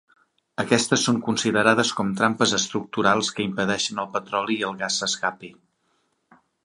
Aquestes són considerades com trampes estructurals que impedeixen el petroli i el gas s'escapi.